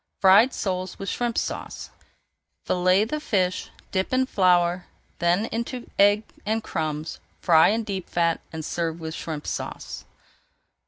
FRIED SOLES WITH SHRIMP SAUCE Fillet the fish, dip in flour, then into egg and crumbs, fry in deep fat, and serve with Shrimp Sauce.